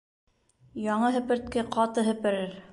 Яңы һепертке ҡаты һеперер.